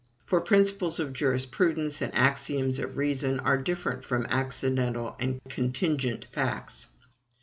For principles of jurisprudence and axioms of reason are different from accidental and contingent facts.